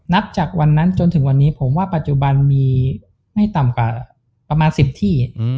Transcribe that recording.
นับจากวันนั้นจนถึงวันนี้ผมว่าปัจจุบันมีไม่ต่ำกว่าประมาณ๑๐ที่